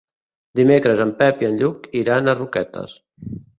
Dimecres en Pep i en Lluc iran a Roquetes.